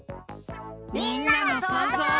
みんなのそうぞう。